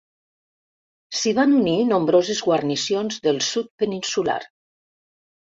S'hi van anar unint nombroses guarnicions del sud peninsular.